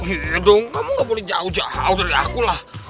iya dong kamu gak boleh jauh jauh dari aku lah